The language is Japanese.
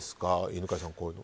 犬飼さん。